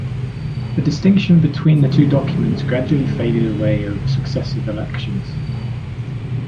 The distinction between the two documents gradually faded away over successive elections.